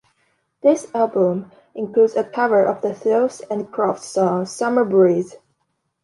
This album includes a cover of the Seals and Crofts song "Summer Breeze".